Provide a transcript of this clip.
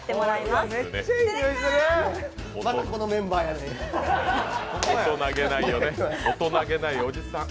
またこのメンバーやねん。